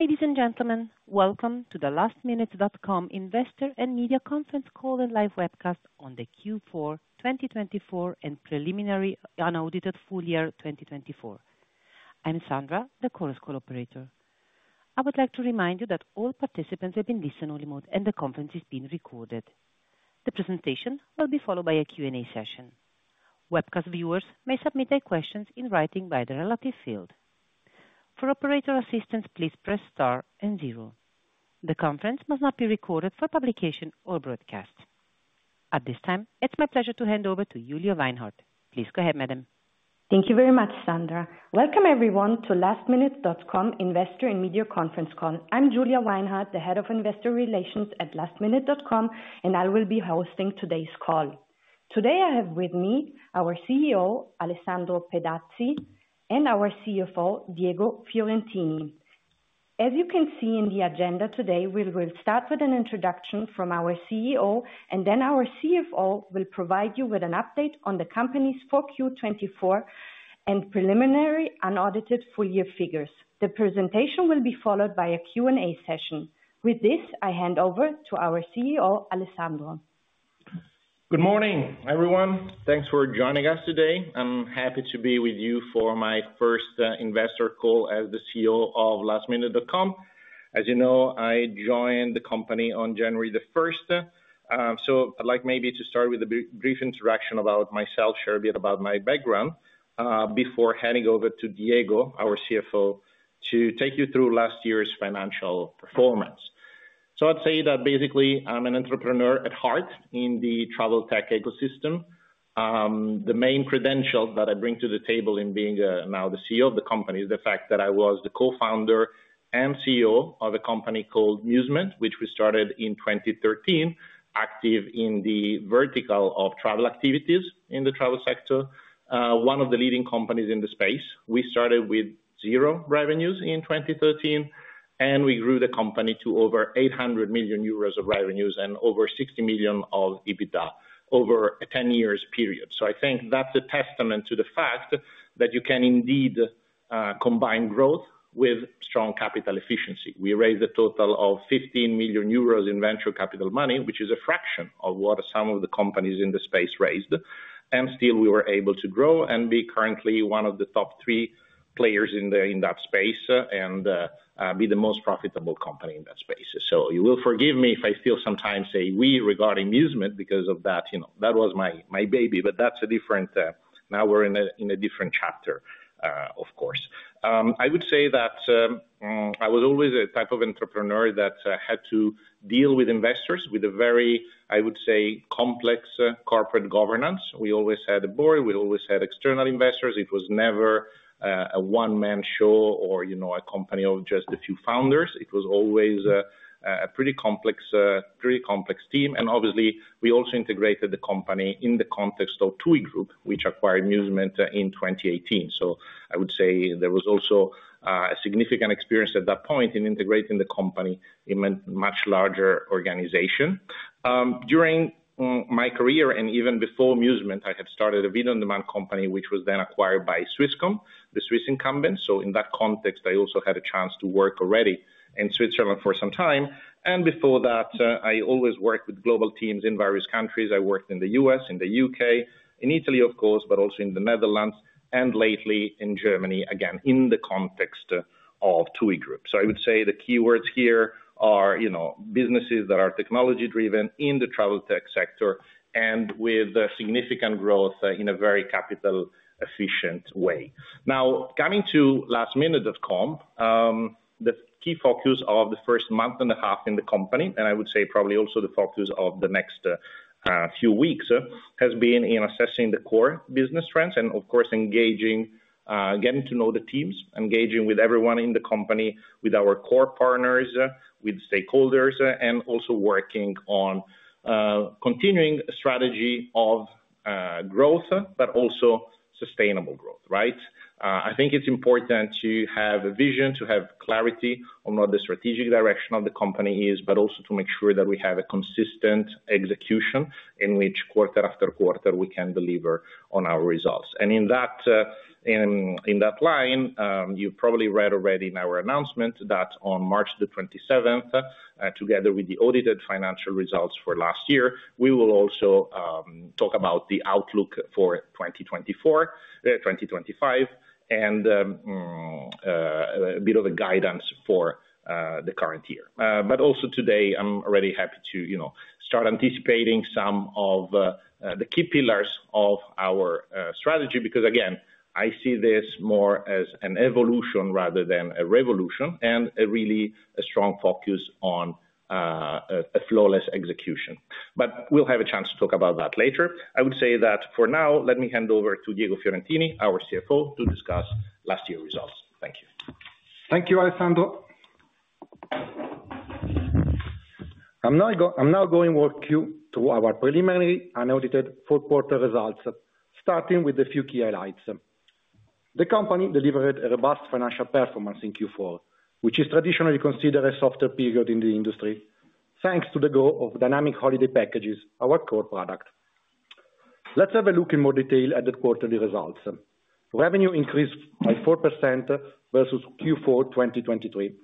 Ladies and gentlemen, welcome to the lastminute.com investor and media conference call and live webcast on the Q4 2024 and preliminary unaudited full year 2024. I'm Sandra, the call's co-operator. I would like to remind you that all participants are in listen-only mode and the conference is being recorded. The presentation will be followed by a Q&A session. Webcast viewers may submit their questions in writing via the relevant field. For operator assistance, please press star and zero. The conference must not be recorded for publication or broadcast. At this time, it's my pleasure to hand over to Julia Weinhart. Please go ahead, madam. Thank you very much, Sandra. Welcome everyone to lastminute.com investor and media conference call. I'm Julia Weinhart, the Head of Investor Relations at lastminute.com, and I will be hosting today's call. Today I have with me our CEO, Alessandro Petazzi, and our CFO, Diego Fiorentini. As you can see in the agenda today, we will start with an introduction from our CEO, and then our CFO will provide you with an update on the company's Q4 2024 and preliminary unaudited full year figures. The presentation will be followed by a Q&A session. With this, I hand over to our CEO, Alessandro. Good morning, everyone. Thanks for joining us today. I'm happy to be with you for my first investor call as the CEO of lastminute.com. As you know, I joined the company on January the 1st. I'd like maybe to start with a brief introduction about myself, share a bit about my background before handing over to Diego, our CFO, to take you through last year's financial performance. I'd say that basically I'm an entrepreneur at heart in the travel tech ecosystem. The main credentials that I bring to the table in being now the CEO of the company is the fact that I was the co-founder and CEO of a company called Musement, which we started in 2013, active in the vertical of travel activities in the travel sector, one of the leading companies in the space. We started with zero revenues in 2013, and we grew the company to over 800 million euros of revenues and over 60 million of EBITDA over a 10 years period. I think that's a testament to the fact that you can indeed combine growth with strong capital efficiency. We raised a total of 15 million euros in venture capital money, which is a fraction of what some of the companies in the space raised. Still, we were able to grow and be currently one of the top three players in that space and be the most profitable company in that space. You will forgive me if I still sometimes say we regarding Musement because of that, you know, that was my baby, but that's different now. We're in a different chapter, of course. I would say that I was always a type of entrepreneur that had to deal with investors with a very, I would say, complex corporate governance. We always had a Board, we always had external investors. It was never a one-man show or, you know, a company of just a few founders. It was always a pretty complex, pretty complex team. Obviously, we also integrated the company in the context of TUI Group, which acquired Musement in 2018. I would say there was also a significant experience at that point in integrating the company in a much larger organization. During my career and even before Musement, I had started a VOD company which was then acquired by Swisscom, the Swiss incumbent. In that context, I also had a chance to work already in Switzerland for some time. Before that, I always worked with global teams in various countries. I worked in the U.S., in the U.K., in Italy, of course, but also in the Netherlands and lately in Germany, again, in the context of TUI Group. I would say the keywords here are, you know, businesses that are technology driven in the travel tech sector and with significant growth in a very capital efficient way. Now, coming to lastminute.com, the key focus of the first month and a half in the company, and I would say probably also the focus of the next few weeks, has been in assessing the core business trends and, of course, engaging, getting to know the teams, engaging with everyone in the company with our core partners, with stakeholders, and also working on continuing the strategy of growth, but also sustainable growth, right? I think it's important to have a vision, to have clarity on what the strategic direction of the company is, but also to make sure that we have a consistent execution in which quarter after quarter we can deliver on our results. In that line, you've probably read already in our announcement that on March the 27th, together with the audited financial results for last year, we will also talk about the outlook for 2024, 2025, and a bit of a guidance for the current year. Also today, I'm already happy to, you know, start anticipating some of the key pillars of our strategy because, again, I see this more as an evolution rather than a revolution and a really strong focus on a flawless execution. We'll have a chance to talk about that later. I would say that for now, let me hand over to Diego Fiorentini, our CFO, to discuss last year's results. Thank you. Thank you, Alessandro. I'm now going to walk you through our preliminary unaudited fourth-quarter results, starting with a few key highlights. The company delivered a robust financial performance in Q4, which is traditionally considered a softer period in the industry, thanks to the growth of dynamic holiday packages, our core product. Let's have a look in more detail at the quarterly results. Revenue increased by 4% versus Q4 2023.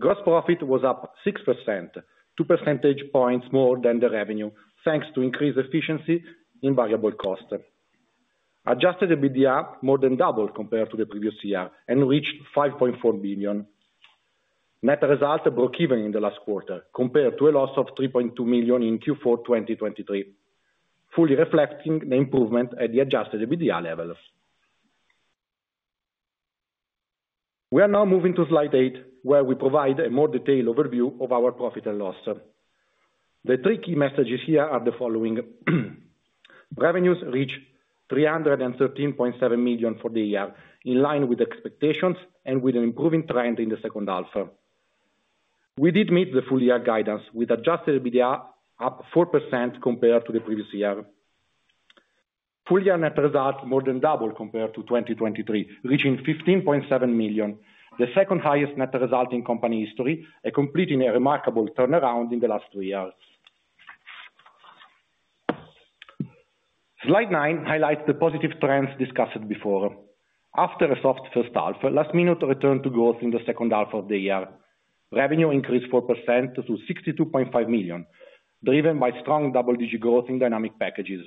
Gross profit was up 6%, two percentage points more than the revenue, thanks to increased efficiency in variable cost. Adjusted EBITDA more than doubled compared to the previous year and reached 5.4 million. Net result broke even in the last quarter compared to a loss of 3.2 million in Q4 2023, fully reflecting the improvement at the adjusted EBITDA levels. We are now moving to slide 8, where we provide a more detailed overview of our profit and loss. The three key messages here are the following. Revenues reached 313.7 million for the year, in line with expectations and with an improving trend in the second half. We did meet the full year guidance with adjusted EBITDA up 4% compared to the previous year. Full year net result more than doubled compared to 2023, reaching 15.7 million, the second highest net result in company history, completing a remarkable turnaround in the last two years. Slide 9 highlights the positive trends discussed before. After a soft first half, lastminute.com returned to growth in the second half of the year. Revenue increased 4% to 62.5 million, driven by strong double-digit growth in dynamic packages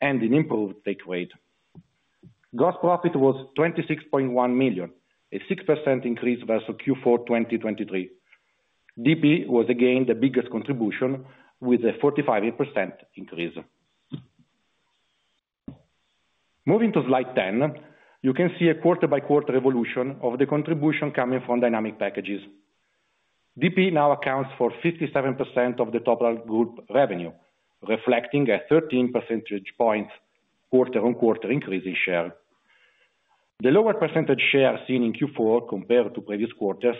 and an improved take rate. Gross profit was 26.1 million, a 6% increase versus Q4 2023. DP was again the biggest contribution with a 45% increase. Moving to slide 10, you can see a quarter-by-quarter evolution of the contribution coming from dynamic packages. DP now accounts for 57% of the total group revenue, reflecting a 13 percentage points quarter-on-quarter increase in share. The lower percentage share seen in Q4 compared to previous quarters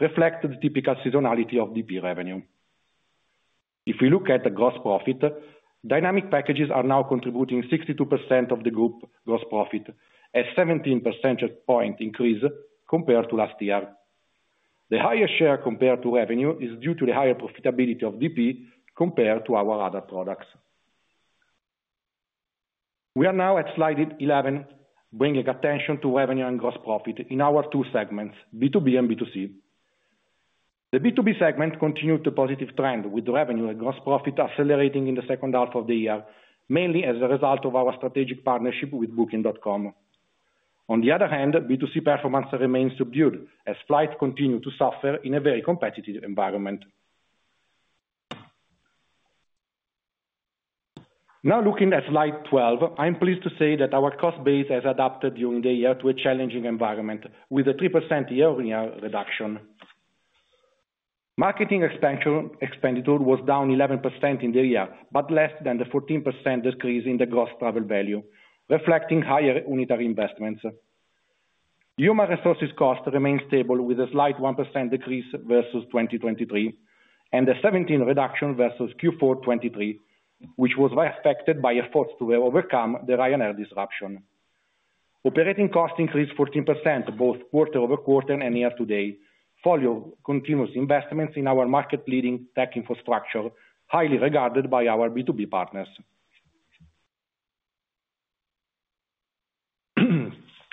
reflects the typical seasonality of DP revenue. If we look at the gross profit, dynamic packages are now contributing 62% of the group gross profit, a 17 percentage point increase compared to last year. The higher share compared to revenue is due to the higher profitability of DP compared to our other products. We are now at slide 11, bringing attention to revenue and gross profit in our two segments, B2B and B2C. The B2B segment continued the positive trend with revenue and gross profit accelerating in the second half of the year, mainly as a result of our strategic partnership with Booking.com. On the other hand, B2C performance remains subdued as flights continue to suffer in a very competitive environment. Now looking at slide 12, I'm pleased to say that our cost base has adapted during the year to a challenging environment with a 3% year-on-year reduction. Marketing expenditure was down 11% in the year, but less than the 14% decrease in the gross travel value, reflecting higher unitary investments. Human resources cost remains stable with a slight 1% decrease versus 2023 and a 17% reduction versus Q4 2023, which was affected by efforts to overcome the Ryanair disruption. Operating cost increased 14% both quarter-over-quarter and year to date, following continuous investments in our market-leading tech infrastructure, highly regarded by our B2B partners.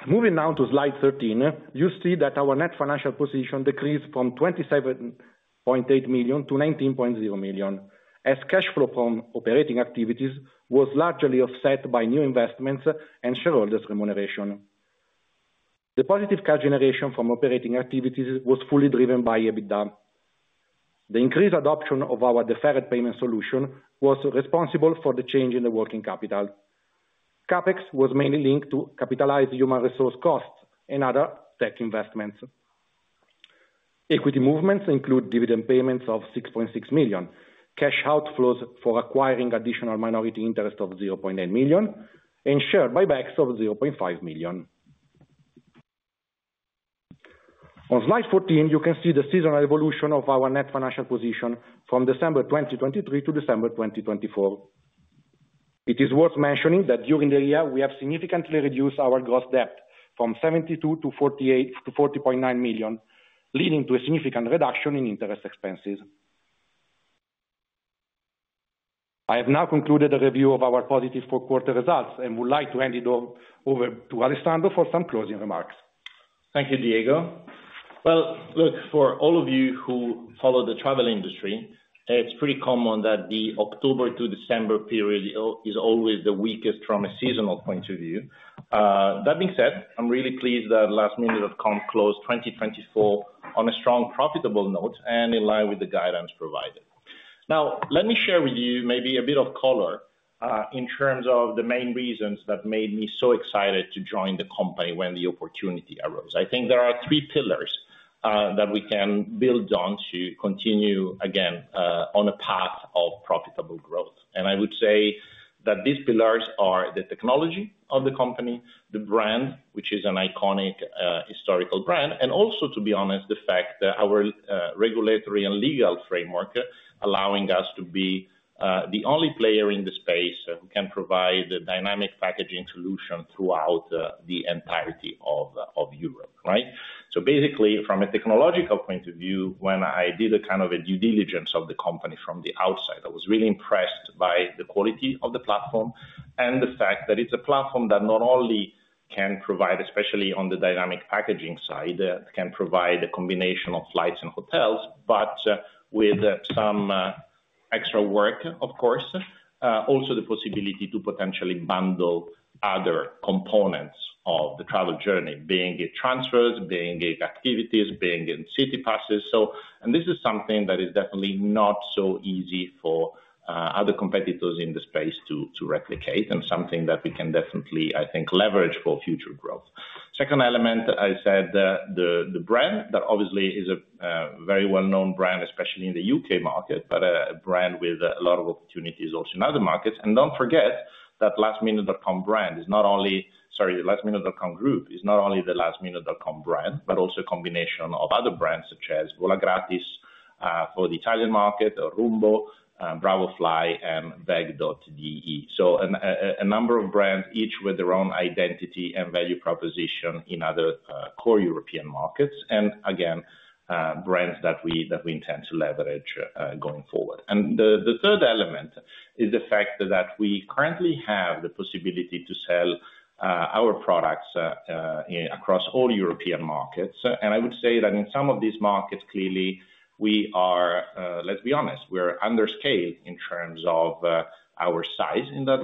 Moving now to slide 13, you see that our net financial position decreased from 27.8 million to 19.0 million as cash flow from operating activities was largely offset by new investments and shareholders' remuneration. The positive cash generation from operating activities was fully driven by EBITDA. The increased adoption of our deferred payment solution was responsible for the change in the working capital. CapEx was mainly linked to capitalized human resource costs and other tech investments. Equity movements include dividend payments of 6.6 million, cash outflows for acquiring additional minority interest of 0.8 million, and share buybacks of 0.5 million. On slide 14, you can see the seasonal evolution of our net financial position from December 2023 to December 2024. It is worth mentioning that during the year, we have significantly reduced our gross debt from 72 million to 48 million to `EUR 40.9 million, leading to a significant reduction in interest expenses. I have now concluded the review of our positive fourth quarter results and would like to hand it over to Alessandro for some closing remarks. Thank you, Diego. For all of you who follow the travel industry, it's pretty common that the October to December period is always the weakest from a seasonal point of view. That being said, I'm really pleased that lastminute.com closed 2024 on a strong profitable note and in line with the guidance provided. Now, let me share with you maybe a bit of color in terms of the main reasons that made me so excited to join the company when the opportunity arose. I think there are three pillars that we can build on to continue again on a path of profitable growth. I would say that these pillars are the technology of the company, the brand, which is an iconic historical brand, and also, to be honest, the fact that our regulatory and legal framework is allowing us to be the only player in the space who can provide the dynamic packaging solution throughout the entirety of Europe, right? Basically, from a technological point of view, when I did a kind of a due diligence of the company from the outside, I was really impressed by the quality of the platform and the fact that it's a platform that not only can provide, especially on the dynamic packaging side, a combination of flights and hotels, but with some extra work, of course, also the possibility to potentially bundle other components of the travel journey, being it transfers, being it activities, being it city passes. This is something that is definitely not so easy for other competitors in the space to replicate and something that we can definitely, I think, leverage for future growth. The second element, I said the brand that obviously is a very well-known brand, especially in the U.K. market, but a brand with a lot of opportunities also in other markets. Do not forget that lastminute.com brand is not only, sorry, lastminute.com group is not only the lastminute.com brand, but also a combination of other brands such as Vola Gratis for the Italian market, Orumbo, Bravo Fly, and Veg.de. A number of brands, each with their own identity and value proposition in other core European markets and, again, brands that we intend to leverage going forward. The third element is the fact that we currently have the possibility to sell our products across all European markets. I would say that in some of these markets, clearly, we are, let's be honest, we're underscaled in terms of our size in those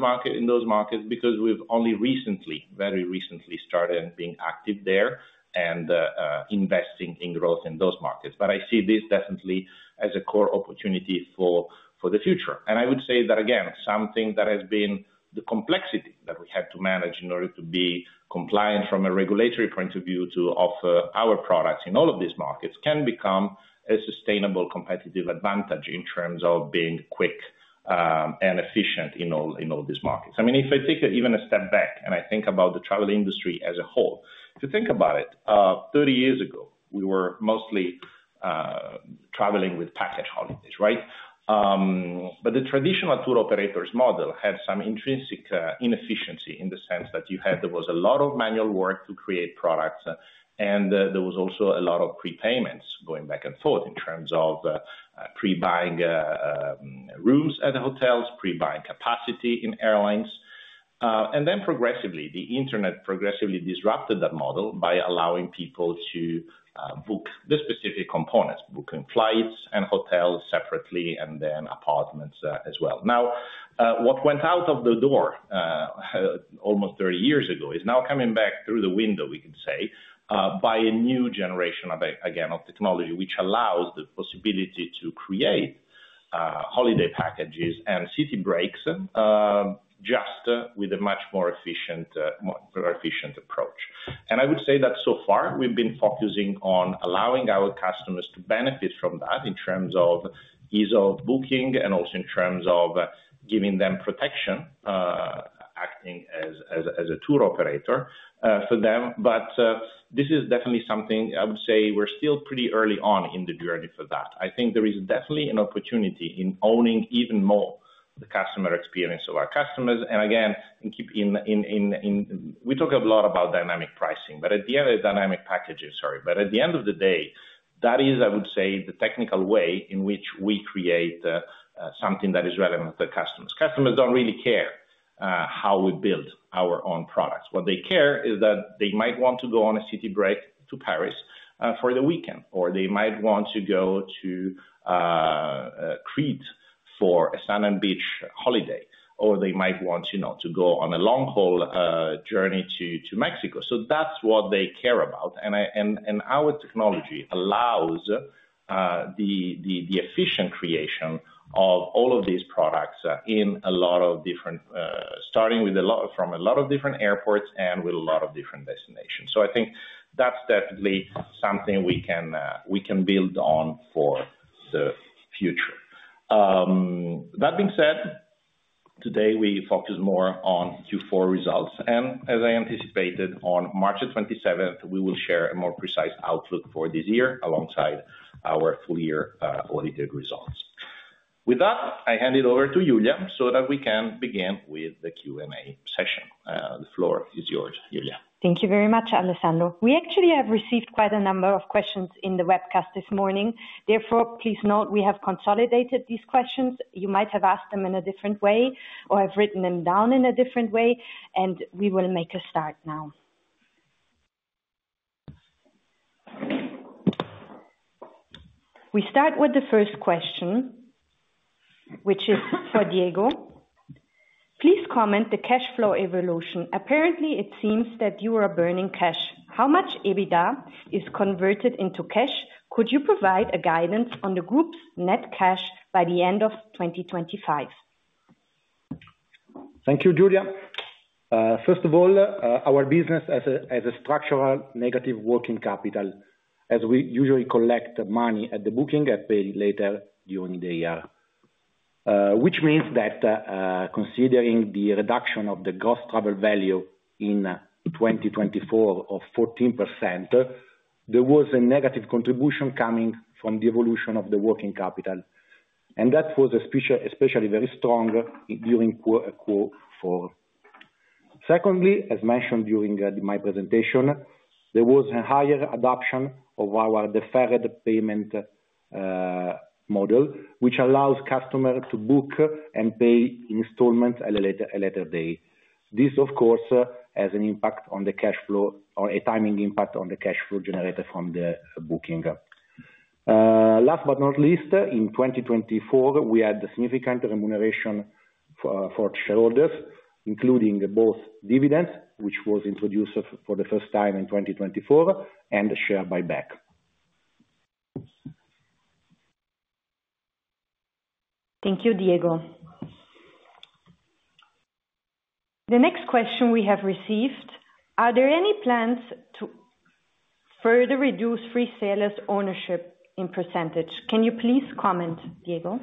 markets because we've only recently, very recently, started being active there and investing in growth in those markets. I see this definitely as a core opportunity for the future. I would say that, again, something that has been the complexity that we had to manage in order to be compliant from a regulatory point of view to offer our products in all of these markets can become a sustainable competitive advantage in terms of being quick and efficient in all these markets. I mean, if I take even a step back and I think about the travel industry as a whole, if you think about it, 30 years ago, we were mostly traveling with package holidays, right? The traditional tour operators model had some intrinsic inefficiency in the sense that you had, there was a lot of manual work to create products and there was also a lot of prepayments going back and forth in terms of pre-buying rooms at the hotels, pre-buying capacity in airlines. Then progressively, the internet progressively disrupted that model by allowing people to book the specific components, booking flights and hotels separately and then apartments as well. Now, what went out of the door almost 30 years ago is now coming back through the window, we can say, by a new generation, again, of technology, which allows the possibility to create holiday packages and city breaks just with a much more efficient approach. I would say that so far, we've been focusing on allowing our customers to benefit from that in terms of ease of booking and also in terms of giving them protection, acting as a tour operator for them. This is definitely something I would say we're still pretty early on in the journey for that. I think there is definitely an opportunity in owning even more the customer experience of our customers. Again, we talk a lot about dynamic pricing, but at the end of dynamic packaging, sorry, but at the end of the day, that is, I would say, the technical way in which we create something that is relevant to customers. Customers don't really care how we build our own products. What they care is that they might want to go on a city break to Paris for the weekend, or they might want to go to Crete for a sand and beach holiday, or they might want to go on a long-haul journey to Mexico. That is what they care about. Our technology allows the efficient creation of all of these products in a lot of different, starting from a lot of different airports and with a lot of different destinations. I think that is definitely something we can build on for the future. That being said, today we focus more on Q4 results. As I anticipated, on March 27th, we will share a more precise outlook for this year alongside our full-year audited results. With that, I hand it over to Julia so that we can begin with the Q&A session. The floor is yours, Julia. Thank you very much, Alessandro. We actually have received quite a number of questions in the webcast this morning. Therefore, please note we have consolidated these questions. You might have asked them in a different way or have written them down in a different way. We will make a start now. We start with the first question, which is for Diego. Please comment the cash flow evolution. Apparently, it seems that you are burning cash. How much EBITDA is converted into cash? Could you provide guidance on the group's net cash by the end of 2025? Thank you, Julia. First of all, our business has a structural negative working capital as we usually collect money at the booking and pay later during the year, which means that considering the reduction of the gross travel value in 2024 of 14%, there was a negative contribution coming from the evolution of the working capital. That was especially very strong during Q4. Secondly, as mentioned during my presentation, there was a higher adoption of our deferred payment model, which allows customers to book and pay installments at a later date. This, of course, has an impact on the cash flow or a timing impact on the cash flow generated from the booking. Last but not least, in 2024, we had significant remuneration for shareholders, including both dividends, which was introduced for the first time in 2024, and share buyback. Thank you, Diego. The next question we have received, are there any plans to further reduce freesellers' ownership in percentage? Can you please comment, Diego?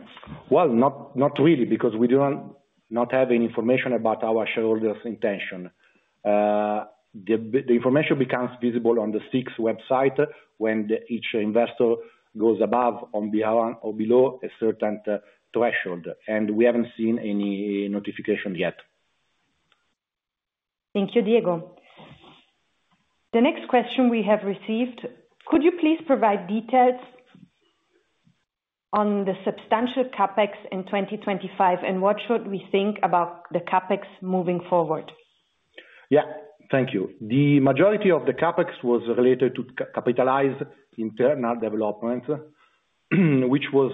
Not really because we do not have any information about our shareholders' intention. The information becomes visible on the SIX Swiss Exchange website when each investor goes above or below a certain threshold. We have not seen any notification yet. Thank you, Diego. The next question we have received, could you please provide details on the substantial CapEx in 2025 and what should we think about the CapEx moving forward? Yeah, thank you. The majority of the CapEx was related to capitalized internal development, which was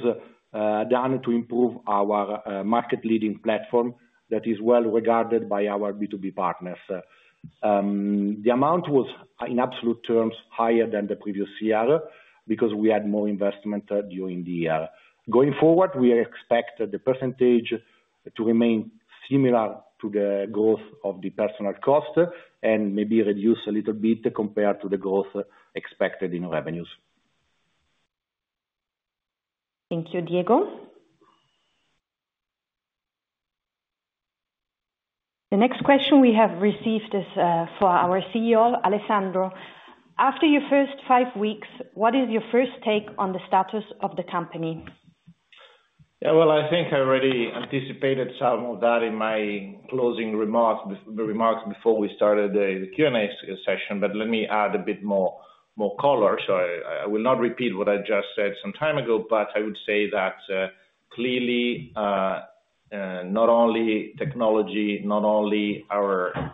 done to improve our market-leading platform that is well regarded by our B2B partners. The amount was, in absolute terms, higher than the previous year because we had more investment during the year. Going forward, we expect the percentage to remain similar to the growth of the personnel cost and maybe reduce a little bit compared to the growth expected in revenues. Thank you, Diego. The next question we have received is for our CEO, Alessandro. After your first five weeks, what is your first take on the status of the company? Yeah, I think I already anticipated some of that in my closing remarks before we started the Q&A session. Let me add a bit more color. I will not repeat what I just said some time ago. I would say that clearly, not only technology, not only our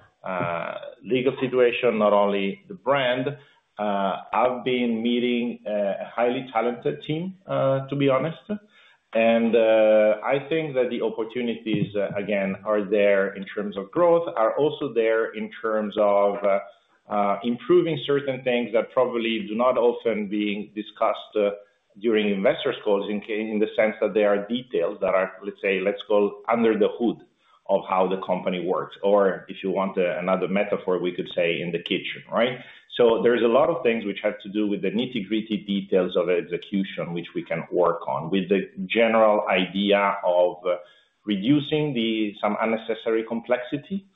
legal situation, not only the brand, I have been meeting a highly talented team, to be honest. I think that the opportunities, again, are there in terms of growth, are also there in terms of improving certain things that probably do not often get discussed during investors' calls in the sense that there are details that are, let's say, let's call under the hood of how the company works. If you want another metaphor, we could say in the kitchen, right? There are a lot of things which have to do with the nitty-gritty details of execution, which we can work on with the general idea of reducing some unnecessary complexity,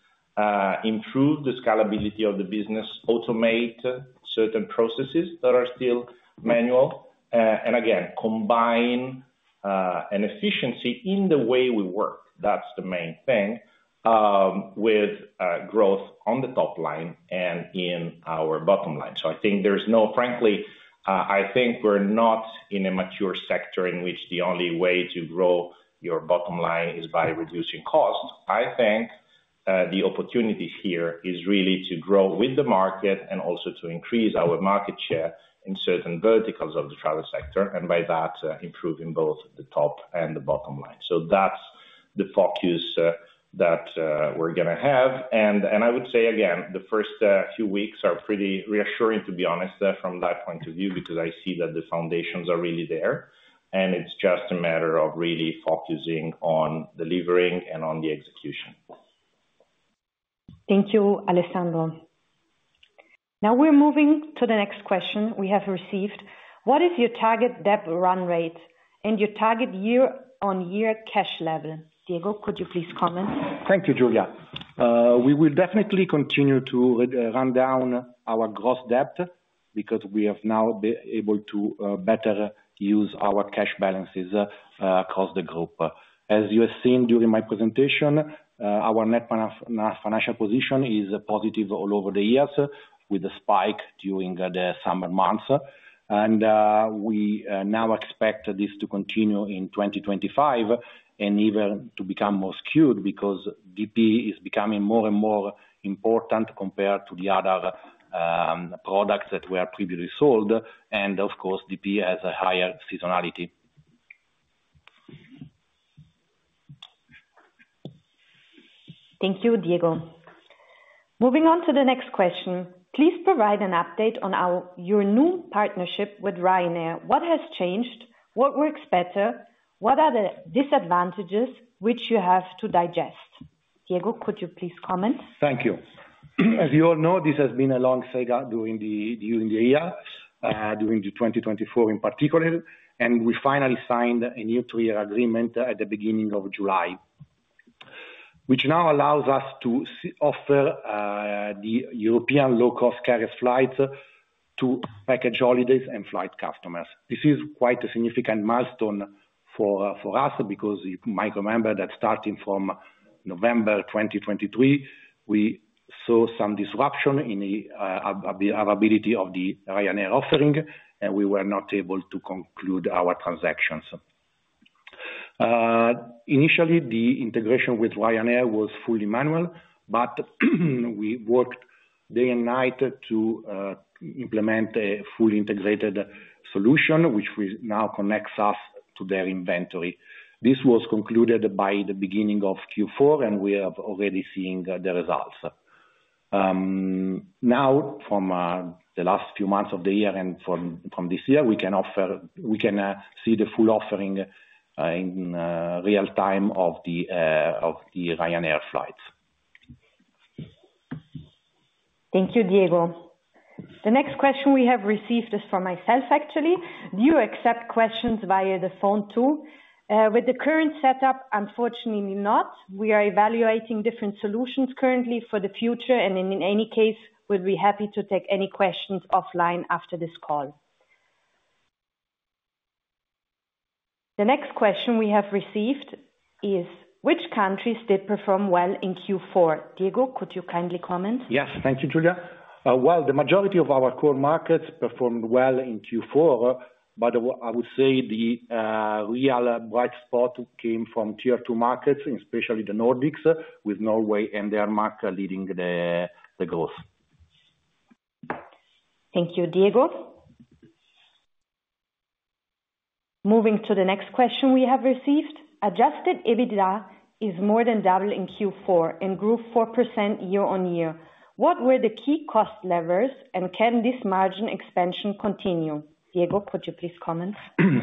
improve the scalability of the business, automate certain processes that are still manual, and again, combine an efficiency in the way we work. That is the main thing with growth on the top line and in our bottom line. I think we are not in a mature sector in which the only way to grow your bottom line is by reducing cost. I think the opportunity here is really to grow with the market and also to increase our market share in certain verticals of the travel sector and by that improving both the top and the bottom line. That is the focus that we are going to have. I would say, again, the first few weeks are pretty reassuring, to be honest, from that point of view because I see that the foundations are really there. It is just a matter of really focusing on delivering and on the execution. Thank you, Alessandro. Now we're moving to the next question we have received. What is your target debt run rate and your target year-on-year cash level? Diego, could you please comment? Thank you, Julia. We will definitely continue to run down our gross debt because we have now been able to better use our cash balances across the group. As you have seen during my presentation, our net financial position is positive all over the years with a spike during the summer months. We now expect this to continue in 2025 and even to become more skewed because DP is becoming more and more important compared to the other products that were previously sold. Of course, DP has a higher seasonality. Thank you, Diego. Moving on to the next question. Please provide an update on your new partnership with Ryanair. What has changed? What works better? What are the disadvantages which you have to digest? Diego, could you please comment? Thank you. As you all know, this has been a long saga during the year, during 2024 in particular. We finally signed a new three-year agreement at the beginning of July, which now allows us to offer the European low-cost carrier flights to package holidays and flight customers. This is quite a significant milestone for us because you might remember that starting from November 2023, we saw some disruption in the availability of the Ryanair offering, and we were not able to conclude our transactions. Initially, the integration with Ryanair was fully manual, but we worked day and night to implement a fully integrated solution, which now connects us to their inventory. This was concluded by the beginning of Q4, and we are already seeing the results. Now, from the last few months of the year and from this year, we can see the full offering in real time of the Ryanair flights. Thank you, Diego. The next question we have received is for myself, actually. Do you accept questions via the phone too? With the current setup, unfortunately, not. We are evaluating different solutions currently for the future. In any case, we'd be happy to take any questions offline after this call. The next question we have received is, which countries did perform well in Q4? Diego, could you kindly comment? Yes, thank you, Julia. The majority of our core markets performed well in Q4. I would say the real bright spot came from tier two markets, especially the Nordics, with Norway and Denmark leading the growth. Thank you, Diego. Moving to the next question we have received, adjusted EBITDA is more than double in Q4 and grew 4% year-on-year. What were the key cost levers, and can this margin expansion continue? Diego, could you please comment?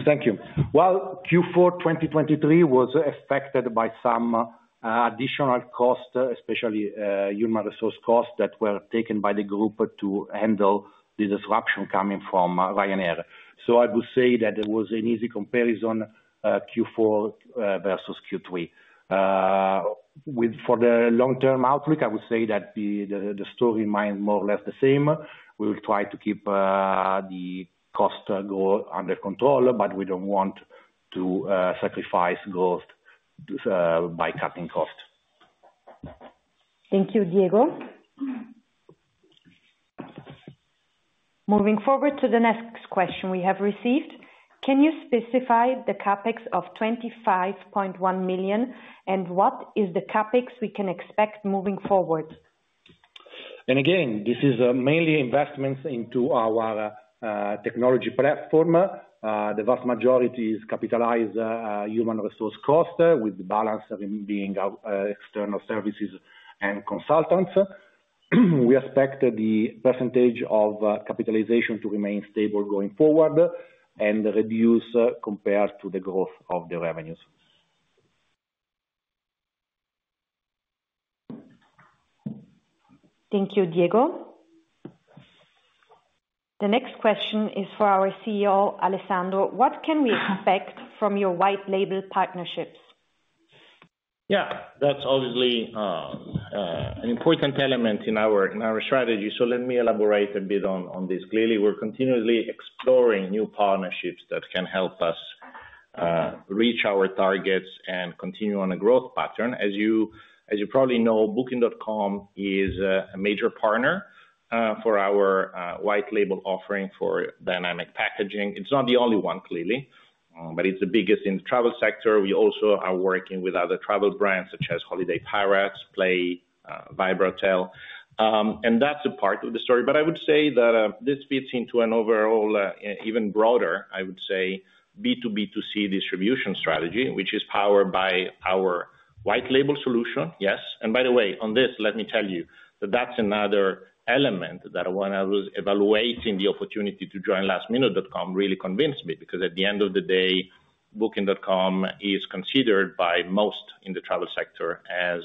Thank you. Q4 2023 was affected by some additional cost, especially human resource costs that were taken by the group to handle the disruption coming from Ryanair. I would say that it was an easy comparison, Q4 versus Q3. For the long-term outlook, I would say that the story remains more or less the same. We will try to keep the cost goal under control, but we do not want to sacrifice growth by cutting cost. Thank you, Diego. Moving forward to the next question we have received, can you specify the CapEx of 25.1 million and what is the CapEx we can expect moving forward? This is mainly investments into our technology platform. The vast majority is capitalized human resource cost, with the balance being external services and consultants. We expect the percentage of capitalization to remain stable going forward and reduce compared to the growth of the revenues. Thank you, Diego. The next question is for our CEO, Alessandro. What can we expect from your white-label partnerships? Yeah, that's obviously an important element in our strategy. Let me elaborate a bit on this clearly. We're continuously exploring new partnerships that can help us reach our targets and continue on a growth pattern. As you probably know, Booking.com is a major partner for our white-label offering for dynamic packaging. It's not the only one, clearly, but it's the biggest in the travel sector. We also are working with other travel brands such as Holiday Pirates, Play, Vibra Hotels. That's a part of the story. I would say that this fits into an overall, even broader, I would say, B2B2C distribution strategy, which is powered by our white-label solution, yes. By the way, on this, let me tell you that that's another element that when I was evaluating the opportunity to join lastminute.com, really convinced me because at the end of the day, Booking.com is considered by most in the travel sector as,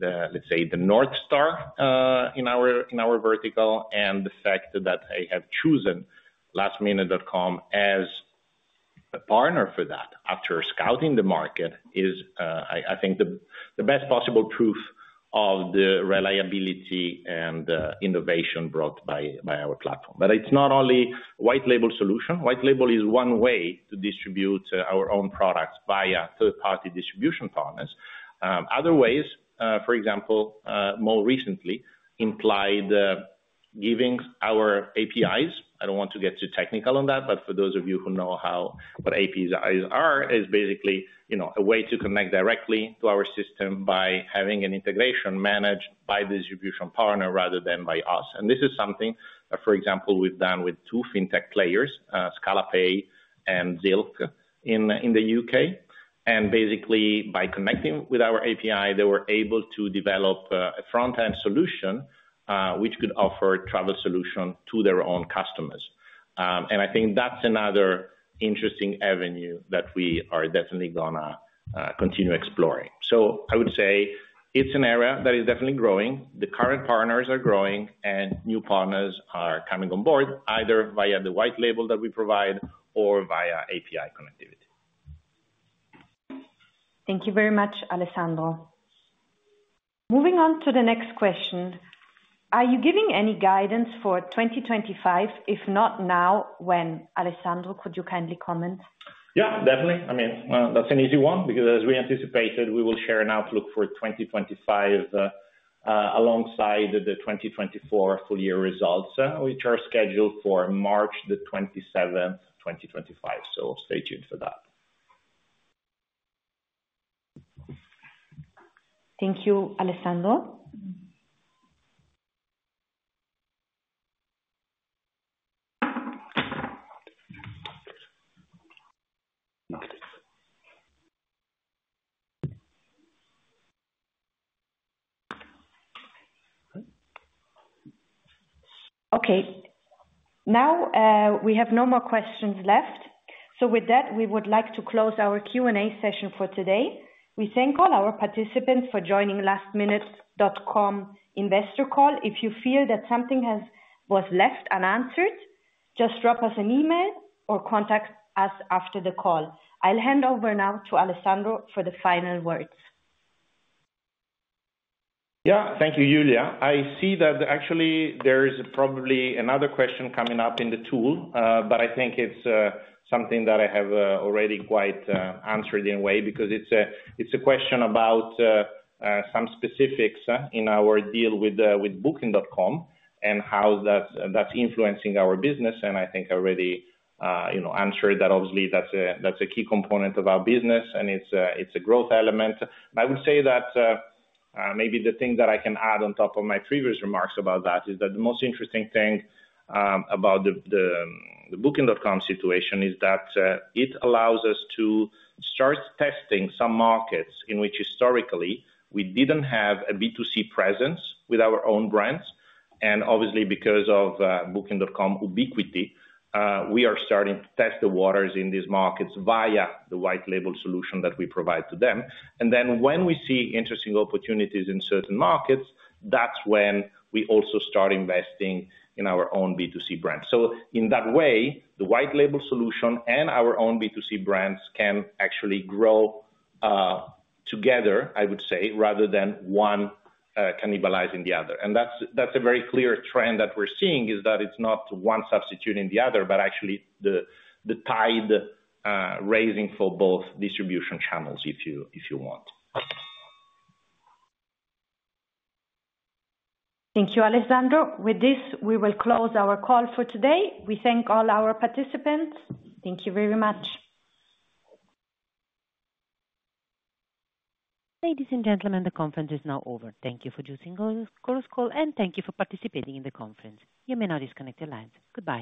let's say, the North Star in our vertical. The fact that they have chosen lastminute.com as a partner for that after scouting the market is, I think, the best possible proof of the reliability and innovation brought by our platform. It is not only a white-label solution. White-label is one way to distribute our own products via third-party distribution partners. Other ways, for example, more recently, implied giving our APIs. I don't want to get too technical on that, but for those of you who know what APIs are, it's basically a way to connect directly to our system by having an integration managed by the distribution partner rather than by us. This is something, for example, we've done with two fintech players, Scalapay and Zilch in the U.K. Basically, by connecting with our API, they were able to develop a front-end solution which could offer a travel solution to their own customers. I think that's another interesting avenue that we are definitely going to continue exploring. I would say it's an area that is definitely growing. The current partners are growing and new partners are coming on board either via the white-label that we provide or via API connectivity. Thank you very much, Alessandro. Moving on to the next question, are you giving any guidance for 2025? If not now, when? Alessandro, could you kindly comment? Yeah, definitely. I mean, that's an easy one because, as we anticipated, we will share an outlook for 2025 alongside the 2024 full-year results, which are scheduled for March 27, 2025. Stay tuned for that. Thank you, Alessandro. Okay. Now we have no more questions left. With that, we would like to close our Q&A session for today. We thank all our participants for joining lastminute.com Investor Call. If you feel that something was left unanswered, just drop us an email or contact us after the call. I'll hand over now to Alessandro for the final words. Yeah, thank you, Julia. I see that actually there is probably another question coming up in the tool, but I think it's something that I have already quite answered in a way because it's a question about some specifics in our deal with Booking.com and how that's influencing our business. I think I already answered that. Obviously, that's a key component of our business and it's a growth element. I would say that maybe the thing that I can add on top of my previous remarks about that is that the most interesting thing about the Booking.com situation is that it allows us to start testing some markets in which historically we didn't have a B2C presence with our own brands. Obviously, because of Booking.com ubiquity, we are starting to test the waters in these markets via the white-label solution that we provide to them. When we see interesting opportunities in certain markets, that's when we also start investing in our own B2C brands. In that way, the white-label solution and our own B2C brands can actually grow together, I would say, rather than one cannibalizing the other. That's a very clear trend that we're seeing. It's not one substituting the other, but actually the tide raising for both distribution channels, if you want. Thank you, Alessandro. With this, we will close our call for today. We thank all our participants. Thank you very much. Ladies and gentlemen, the conference is now over. Thank you for choosing ChorusCall and thank you for participating in the conference. You may now disconnect your lines. Goodbye.